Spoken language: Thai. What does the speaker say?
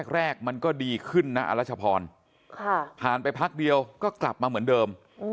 แรกมันก็ดีขึ้นนะอรัชพรผ่านไปพักเดียวก็กลับมาเหมือนเดิม